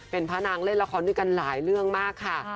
เป็นพระนางเล่นละครด้วยกันหลายเรื่องมากค่ะ